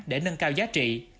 để nâng cao giá trị